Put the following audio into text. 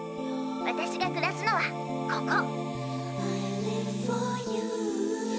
私が暮らすのはここ！